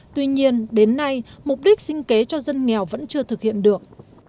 tuy nhiên đến nay mục đích sinh kế cho dân nghèo vẫn chưa thực hiện được